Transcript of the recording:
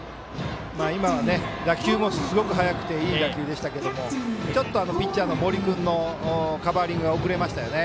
今、打球もすごく速くていい打球でしたけどピッチャーの森君のカバーリングが遅れましたよね。